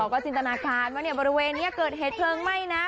ก็จินตนาการว่าบริเวณนี้เกิดเหตุเพลิงไหม้นะ